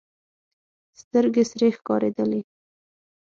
سترګې سرې ښکارېدلې.